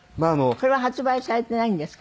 これは発売されてないんですか？